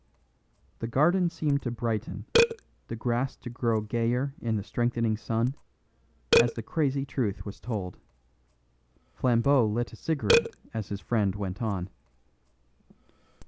The garden seemed to brighten, the grass to grow gayer in the strengthening sun, as the crazy truth was told. Flambeau lit a cigarette as his friend went on.